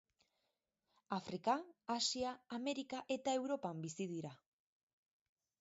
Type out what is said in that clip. Afrika, Asia, Amerika eta Europan bizi dira.